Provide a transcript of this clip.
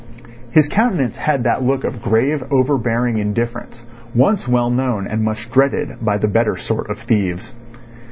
His countenance had that look of grave, overbearing indifference once well known and much dreaded by the better sort of thieves.